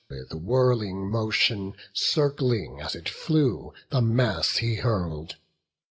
With whirling motion, circling as it flew, The mass he hurl'd.